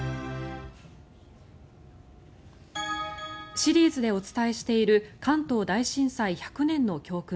シリーズでお伝えしている関東大震災１００年の教訓。